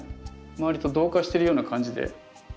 周りと同化してるような感じで。